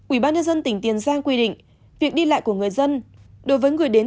ubnd tỉnh tiền giang quy định việc đi lại của người dân đối với người đến